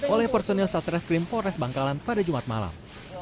oleh personil satreskrim polres bangkalan pada jumat malam